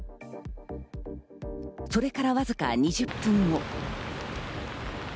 それからわずか２０分後。